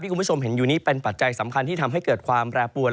คุณผู้ชมเห็นอยู่นี้เป็นปัจจัยสำคัญที่ทำให้เกิดความแปรปวน